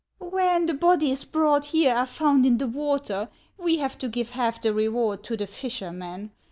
" When the bodies brought here are found in the water, we have to give half the reward to the fisherman.